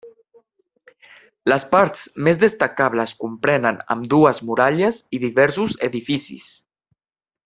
Les parts més destacables comprenen ambdues muralles i diversos edificis.